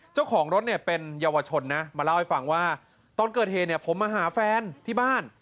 เจ้าของรถเนี่ยเป็นเยาวชนนะมาเล่าให้ฟังว่าตอนเกิดเหตุเนี่ยผมมาหาแฟนที่บ้าน